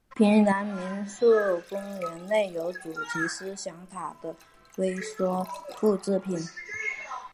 平壤民俗公园内有主体思想塔的微缩复制品。